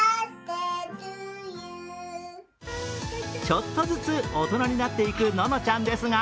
ちょっとずつ大人になっていくののちゃんですが